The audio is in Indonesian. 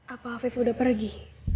apa afif udah pergi